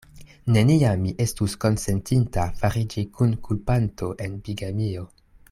Neniam mi estus konsentinta fariĝi kunkulpanto en bigamio.